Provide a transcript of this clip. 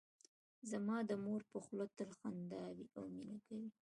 زما د مور په خوله تل خندا وي او مینه کوي